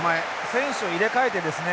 選手を入れ替えてですね